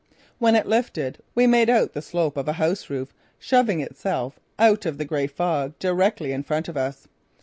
When it lifted we made out the slope of a house roof shoving itself out of the grey fog directly in front of us.